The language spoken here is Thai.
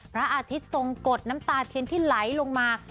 พระอาทิตย์ทรงกดน้ำตาเทียนที่ไหลลงมา